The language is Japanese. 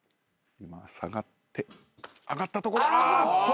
今下がって上がったところあっと。